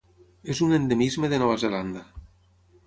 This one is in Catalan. És un endemisme de Nova Zelanda.